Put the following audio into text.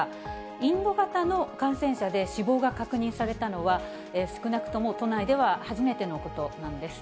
インド型の感染者で死亡が確認されたのは、少なくとも都内では初めてのことなんです。